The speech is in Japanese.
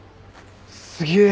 すげえ！